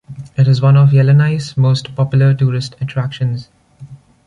It is one of Yellowknife's most popular tourist attractions.